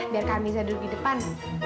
biar kak mirza duduk di depan